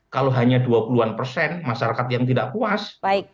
kalau hanya dua puluh an persen masyarakat yang tidak puas